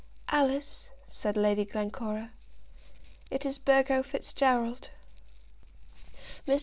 "Alice," said Lady Glencora, "it is Burgo Fitzgerald." Mr.